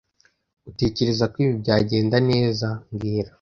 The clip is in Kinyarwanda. Utekereza ko ibi byagenda neza mbwira